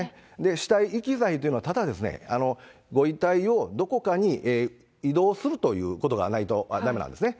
死体遺棄罪というのは、ただですね、ご遺体をどこかに移動するということがないとだめなんですね。